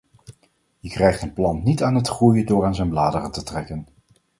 Je krijgt een plant niet aan het groeien door aan zijn bladeren te trekken.